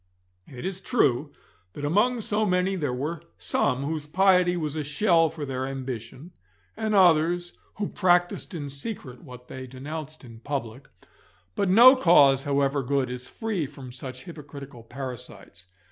It is true that among so many there were some whose piety was a shell for their ambition, and others who practised in secret what they denounced in public, but no cause however good is free from such hypocritical parasites.